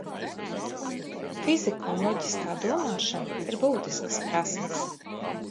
Fizika un loģiskā domāšana ir būtiskas prasmes.